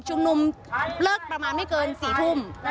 นุมเลิกประมาณไม่เกิน๔ทุ่ม